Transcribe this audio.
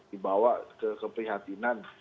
dibawa ke keprihatinan